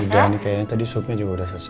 udah nih kayaknya tadi supnya juga udah selesai